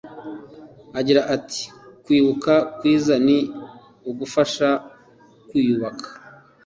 Agira ati “Kwibuka kwiza ni ugufasha kwiyubaka